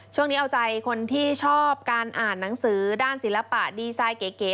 ช่วงนี้เอาใจคนที่ชอบการอ่านหนังสือด้านศิลปะดีไซน์เก๋